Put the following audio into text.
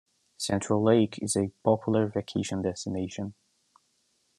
Central Lake is a popular vacation destination.